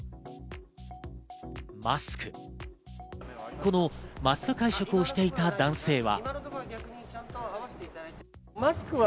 このマスク会食をしていた男性は。